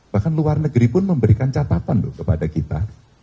bahkan luar negeri pun memberikan catatan loh kepada kita